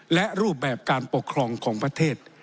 และรูปแบบการปกครองของประเทศ